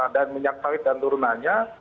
dan minyak sawit dan turunannya